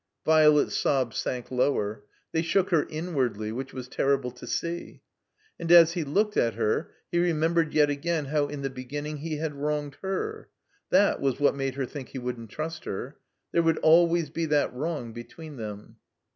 Violet's sobs sank lower. They shook her in wardly, which was terrible to see. And as he looked at her he remembered yet again how in the beginning he had wronged her. That 195 THE COMBINED MAZE was what made her think he wotddn't trust her. There would always be that wrong between them.